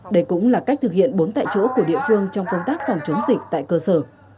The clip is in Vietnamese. đây cũng là cách thực hiện bốn tại chỗ của địa phương trong công tác phòng chống dịch tại cơ sở